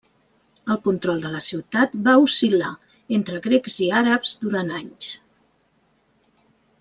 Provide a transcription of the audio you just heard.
El control de la ciutat va oscil·lar entre grecs i àrabs durant anys.